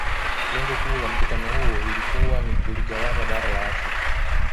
Lengo kuu la Mkutano huo lilikuwa ni kuligawanya bara la Afrika